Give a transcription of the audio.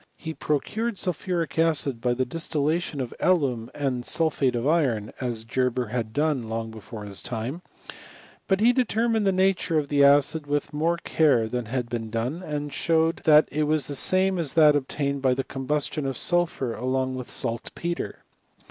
He procured sulphuric acid by the distillation of alum and sulphate of iron, as Ge ber had done long before his time ; but he determined the nature of the acid with more care than had been done, and showed, that it was tlie same as that ob tained by the combustion of sulphur along with salt petre.